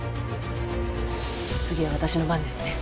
次は私の番ですね。